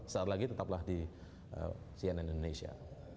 saat lagi tetaplah di cnn indonesia